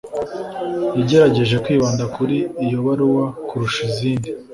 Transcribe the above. Yagerageje kwibanda kuri iyo baruwa kurusha izindi.